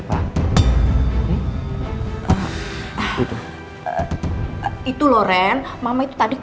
harusnya ikut abang